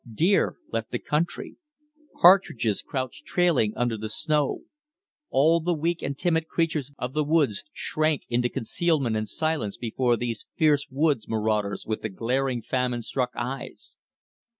Deer left the country. Partridges crouched trailing under the snow. All the weak and timid creatures of the woods shrank into concealment and silence before these fierce woods marauders with the glaring famine struck eyes.